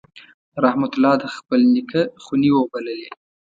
رحمت الله د خپل نیکه خونې وبللې.